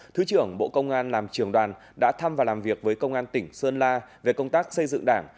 thứ trưởng bộ công an làm trường đoàn đã thăm và làm việc với công an tỉnh sơn la về công tác xây dựng đảng